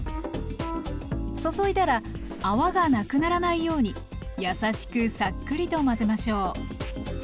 注いだら泡がなくならないようにやさしくサックリと混ぜましょう。